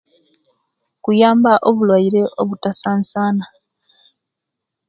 Kuyamba obulwaire obutasansa na